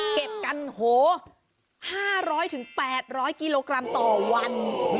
เก็บกันโหห้าร้อยถึงแปดร้อยกิโลกรัมต่อวัน